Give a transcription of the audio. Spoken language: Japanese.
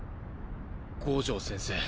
五条先生。